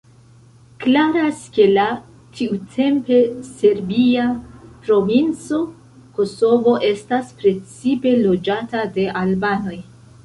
Klaras ke la tiutempe serbia provinco Kosovo estas precipe loĝata de albanoj.